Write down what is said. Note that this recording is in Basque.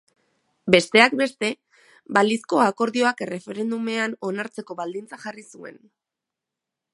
Besteak beste, balizko akordioak erreferendumean onartzeko baldintza jarri zuen.